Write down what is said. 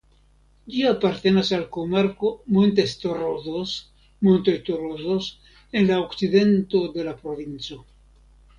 Ĝi apartenas al komarko "Montes Torozos" (Montoj Torozos) en la okcidento de la provinco.